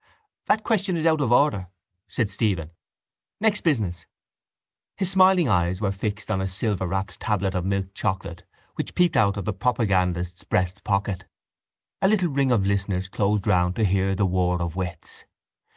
—That question is out of order, said Stephen. Next business. His smiling eyes were fixed on a silver wrapped tablet of milk chocolate which peeped out of the propagandist's breast pocket. A little ring of listeners closed round to hear the war of wits.